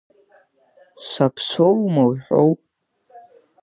Саԥсоума уҳәоу?